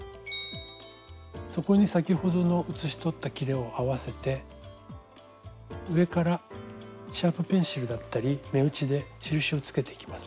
そこに先ほどの写し取ったきれを合わせて上からシャープペンシルだったり目打ちで印をつけていきます。